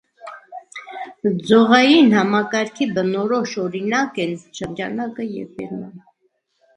Ձողային համակարգի բնորոշ օրինակ են շրջանակը և ֆերման։